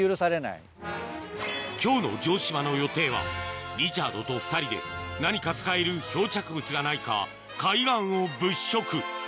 今日の城島の予定はリチャードと２人で何か使える漂着物がないか海岸を物色